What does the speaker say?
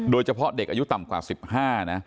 โดยเฉพาะเด็กอายุต่ำกว่า๑๕นะ